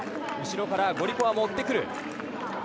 後ろからゴリコワも追ってくる。